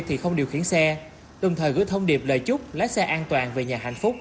thì không điều khiển xe đồng thời gửi thông điệp lời chúc lái xe an toàn về nhà hạnh phúc